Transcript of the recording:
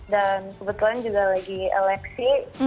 dan kebetulan juga lagi eleksi